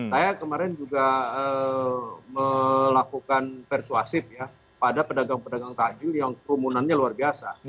saya kemarin juga melakukan persuasif ya pada pedagang pedagang takju yang kerumunannya luar biasa